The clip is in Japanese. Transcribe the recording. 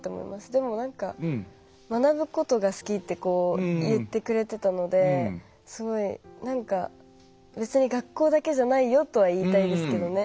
でも、学ぶことが好きって言ってくれてたのですごい別に学校だけじゃないよとは言いたいですけどね。